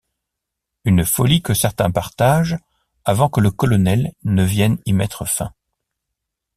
Une folie que certains partagent avant que le colonel ne vienne y mettre fin.